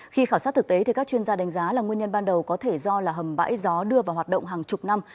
khi khảo sát thực tế thì các chuyên gia đánh giá là nguyên nhân ban đầu có thể do hầm bãi gió đưa vào hoạt động hàng chục năm